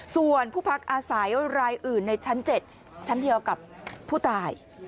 ส่วนผู้พักอาศัยรายอื่นในชั้น๗ชั้นเดียวกับผู้ตาย